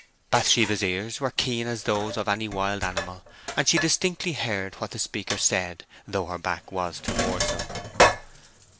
Bathsheba's ears were keen as those of any wild animal, and she distinctly heard what the speaker said, though her back was towards him.